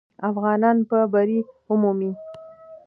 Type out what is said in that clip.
افغانان به بری ومومي.